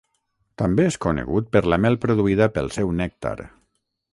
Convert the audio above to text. També és conegut per la mel produïda pel seu nèctar.